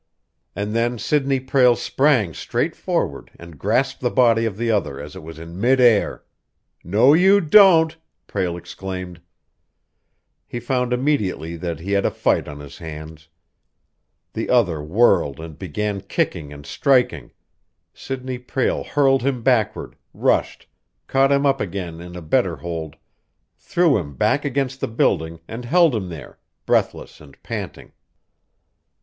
And then Sidney Prale sprang straight forward, and grasped the body of the other as it was in mid air. "No, you don't!" Prale exclaimed. He found immediately that he had a fight on his hands. The other whirled and began kicking and striking. Sidney Prale hurled him backward, rushed, caught him up again in a better hold, threw him back against the building, and held him there, breathless and panting.